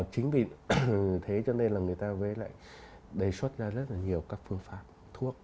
chính vì thế cho nên là người ta mới lại đề xuất ra rất là nhiều các phương pháp thuốc